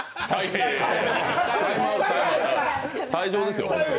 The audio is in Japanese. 退場ですよ。